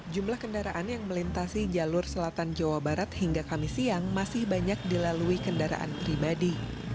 jumlah kendaraan yang melintasi jalur selatan jawa barat hingga kami siang masih banyak dilalui kendaraan pribadi